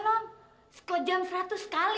emang kamu satu jam seratus kali